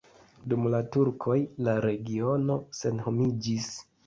Dum la turkoj la regiono senhomiĝis.